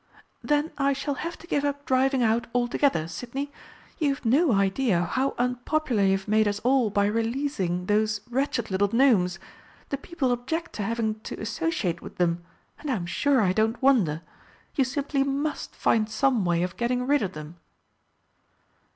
"Then I shall have to give up driving out altogether, Sidney. You've no idea how unpopular you've made us all by releasing those wretched little Gnomes. The people object to having to associate with them and I'm sure I don't wonder. You simply must find some way of getting rid of them!"